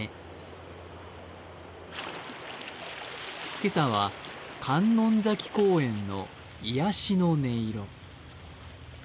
今朝は観音崎公園の癒やしの音色。